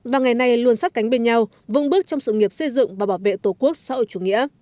và ngày nay luôn sát cánh bên nhau vững bước trong sự nghiệp xây dựng và bảo vệ tổ quốc sau chủ nghĩa